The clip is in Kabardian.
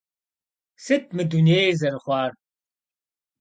Сыт мы дунейр зэрыхъуар?